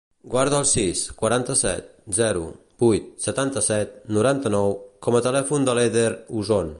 Guarda el sis, quaranta-set, zero, vuit, setanta-set, noranta-nou com a telèfon de l'Eder Uson.